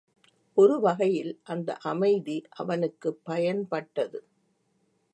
ஒரு வகையில் அந்த அமைதி அவனுக்குப் பயன்பட்டது.